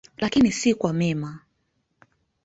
Lakini si kwa mema.